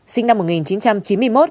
sinh năm một nghìn chín trăm chín mươi một